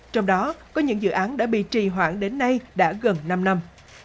trong đó có những dự án đã bị trì hoãn đến nay đã gần năm năm